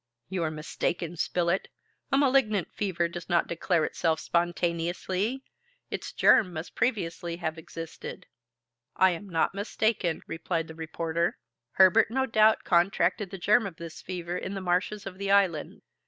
"You are mistaken, Spilett. A malignant fever does not declare itself spontaneously; its germ must previously have existed." "I am not mistaken," replied the reporter. "Herbert no doubt contracted the germ of this fever in the marshes of the island.